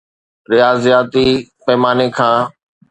رياضياتي پيماني کان